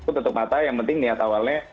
aku tetep patah yang penting niat awalnya